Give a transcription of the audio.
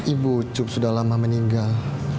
ibu cup sudah lama meninggal